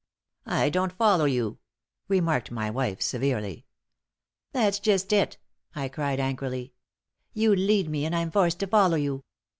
"I don't follow you," remarked my wife, severely. "That's just it," I cried, angrily. "You lead me, and I'm forced to follow you.